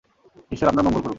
ঈশ্বর আপনার মঙ্গল করুক।